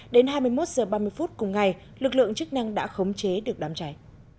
đến hai mươi một h ba mươi phút cùng ngày lực lượng chức năng đã khống chế được đám cháy